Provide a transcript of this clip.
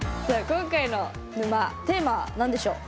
今回の沼テーマは何でしょう？